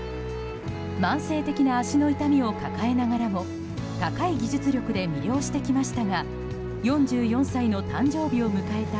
慢性的な足の痛みを抱えながらも高い技術力で魅了してきましたが４４歳の誕生日を迎えた